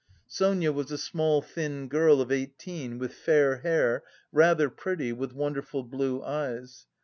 Sonia was a small thin girl of eighteen with fair hair, rather pretty, with wonderful blue eyes.